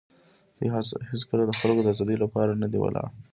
دوی هېڅکله د خلکو د آزادۍ لپاره نه دي ولاړ.